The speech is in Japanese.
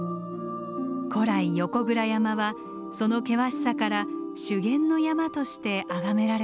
古来横倉山はその険しさから修験の山として崇められてきました。